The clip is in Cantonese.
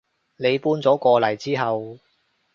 你搬咗過嚟之後